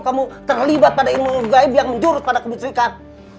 kamu terlibat pada ilmu gaib yang menjurut pada kebitrikan